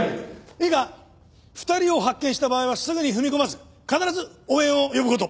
いいか２人を発見した場合はすぐに踏み込まず必ず応援を呼ぶ事。